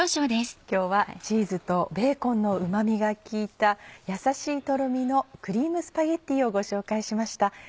今日はチーズとベーコンのうま味が効いたやさしいトロミのクリームスパゲティをご紹介しました。